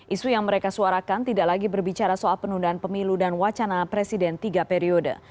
isu yang mereka suarakan tidak lagi berbicara soal penundaan pemilu dan wacana presiden tiga periode